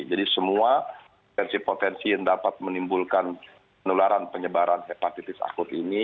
jadi semua potensi potensi yang dapat menimbulkan penularan penyebaran hepatitis akut ini